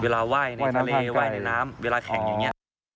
ไหว้ในทะเลไหว้ในน้ำเวลาแข่งอย่างนี้